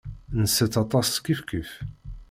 Nsett aṭas kifkif.